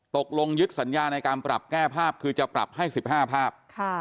ตกลงยึดสัญญาในการปรับแก้ภาพคือจะปรับให้๑๕ภาพ